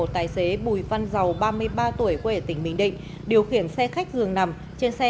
tài xế bùi văn dầu ba mươi ba tuổi quê ở tỉnh bình định điều khiển xe khách dường nằm trên xe